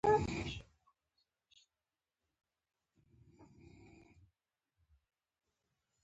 چې پر لاره یې کومه حادثه نه وي کړې.